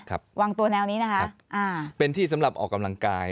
วางตัวแนวนี้นะครับอ่าเป็นที่สำหรับออกกำลังกาย